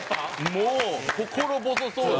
もう心細そうで。